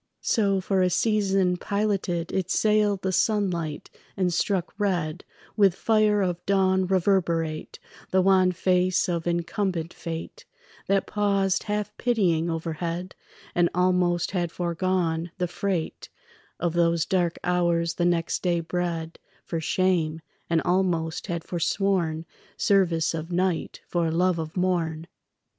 So for a season piloted It sailed the sunlight, and struck red With fire of dawn reverberate The wan face of incumbent fate That paused half pitying overhead And almost had foregone the freight Of those dark hours the next day bred For shame, and almost had forsworn Service of night for love of morn.